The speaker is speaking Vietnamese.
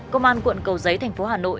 công an quận cầu giấy tp hà nội